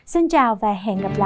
xin chào và hẹn gặp lại